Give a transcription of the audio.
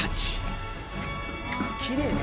きれいね！